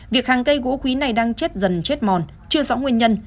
việc hàng cây gỗ quý này đang chết dần chết mòn chưa rõ nguyên nhân